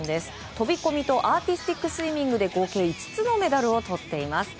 飛込とアーティスティックスイミングで合計５つのメダルをとっています。